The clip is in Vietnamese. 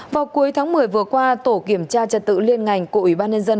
vào cuối tháng một mươi vừa qua tổ kiểm tra trật tự liên ngành của ủy ban nhân dân